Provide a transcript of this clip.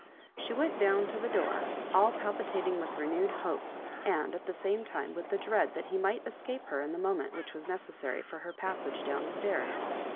She went down to the door, all palpitating with renewed hope, and, at the same time, with the dread that he might escape her in the moment which was necessary for her passage down stairs.